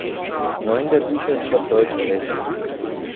Neun der Bücher sind auf Deutsch erhältlich.